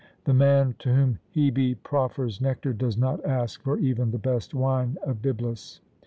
The man to whom Hebe proffers nectar does not ask for even the best wine of Byblus.